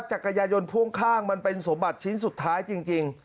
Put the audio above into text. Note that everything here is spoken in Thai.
จักรยายนพ่วงข้างมันเป็นสมบัติชิ้นสุดท้ายจริง